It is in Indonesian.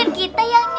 terus ustazah biasanya